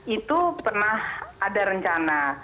itu pernah ada rencana